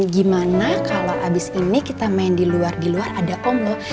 gimana kalau habis ini kita main di luar di luar ada om loh